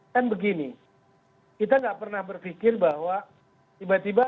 kan begini kita nggak pernah berpikir bahwa tiba tiba